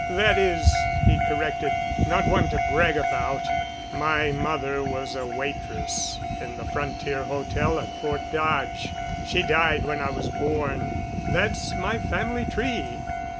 That is," he corrected, "not one to brag about. My mother was a waitress in the Frontier Hotel at Fort Dodge. She died when I was born. That's my family tree.